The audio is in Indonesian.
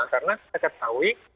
karena saya tahu